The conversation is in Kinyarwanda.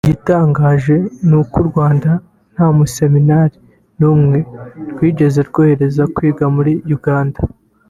Igitangaje ni uko u Rwanda rwo nta museminari n’umwe rwigeze rwohereza kwiga muri Uganda